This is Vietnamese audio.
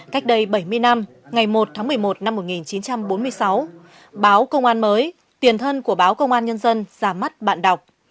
cách đây bảy mươi năm ngày một tháng một mươi một năm một nghìn chín trăm bốn mươi sáu báo công an mới tiền thân của báo công an nhân dân ra mắt bạn đọc